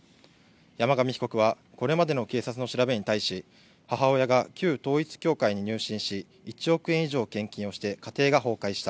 山上被告は、これまでの警察の調べに対し、母親が旧統一教会に入信し、１億円以上献金をして家庭が崩壊した。